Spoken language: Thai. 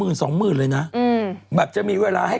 คุณหมอโดนกระช่าคุณหมอโดนกระช่า